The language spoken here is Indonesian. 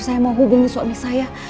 saya mau hubungi suami saya